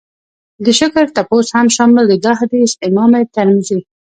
د شکر تپوس هم شامل دی. دا حديث امام ترمذي